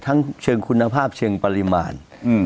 เชิงคุณภาพเชิงปริมาณ